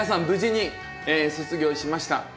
無事に卒業しました。